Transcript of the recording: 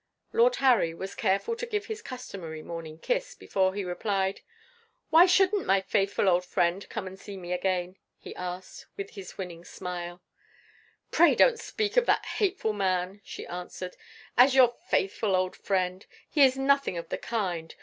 Lord Harry was careful to give his customary morning kiss, before he replied. "Why shouldn't my faithful old friend come and see me again?" he asked, with his winning smile. "Pray don't speak of that hateful man," she answered, "as your faithful old friend! He is nothing of the kind.